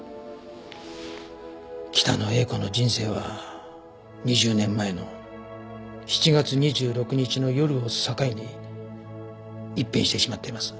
北野英子の人生は２０年前の７月２６日の夜を境に一変してしまっています。